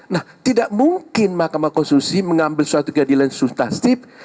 nah tidak mungkin mk mengambil suatu keadilan yang suntan setib